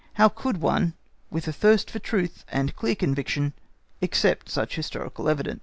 How could one, with a thirst for truth, and clear conviction, accept such historical evidence?